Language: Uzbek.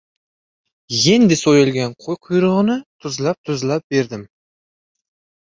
Yendi so‘yilgan qo‘y quyrug‘ini tuzlab-tuzlab berdim...